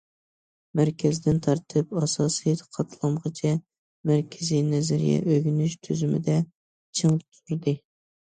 مەركەزدىن تارتىپ ئاساسىي قاتلامغىچە مەركىزىي نەزەرىيە ئۆگىنىش تۈزۈمىدە چىڭ تۇردى.